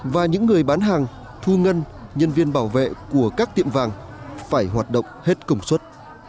và những người bán hàng thu ngân nhân viên bảo vệ của các tiệm vàng phải hoạt động hết công suất